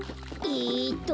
えっと